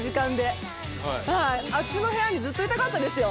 あっちの部屋にずっといたかったですよ！